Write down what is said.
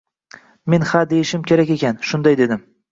men ha deyishim kerak ekan, shunday dedim.